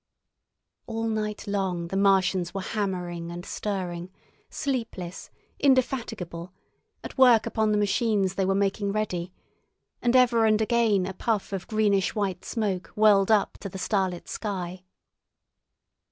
All night long the Martians were hammering and stirring, sleepless, indefatigable, at work upon the machines they were making ready, and ever and again a puff of greenish white smoke whirled up to the starlit sky.